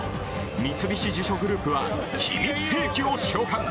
三菱地所グループは秘密兵器を召喚。